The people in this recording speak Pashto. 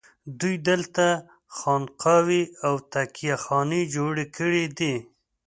دوی دلته خانقاوې او تکیه خانې جوړې کړي دي.